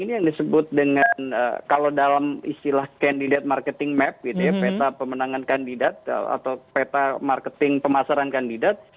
ini yang disebut dengan kalau dalam istilah candidat marketing map gitu ya peta pemenangan kandidat atau peta marketing pemasaran kandidat